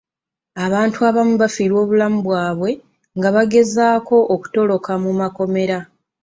Abantu abamu baafiirwa obulamu bwabwe nga bagezaako okutoloka mu kkomera.